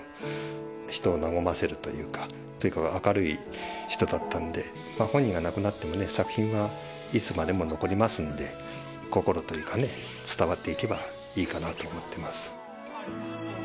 人を和ませるというか、それから明るい人だったんで、本人が亡くなっても作品はいつまでも残りますんで、心というかね、伝わっていけばいいかなと思ってます。